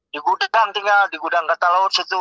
di gudang tinggal di gudang kata laut situ